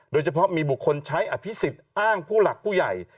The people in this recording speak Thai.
โดยเฉพาะมีบุคคลใช้อภิษฎอ้างผู้หลักผู้ใหญ่